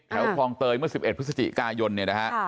คลองเตยเมื่อ๑๑พฤศจิกายนเนี่ยนะฮะ